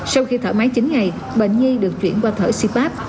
sau khi thở máy chín ngày bệnh nhi được chuyển qua thở cpap